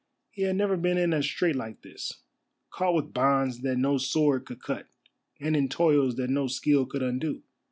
He had never been in a strait like this; caught with bonds that no sword could cut, and in toils that no skill could undo.